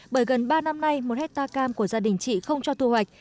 bởi gần ba năm nay một hectare cam của gia đình chị không cho thu hoạch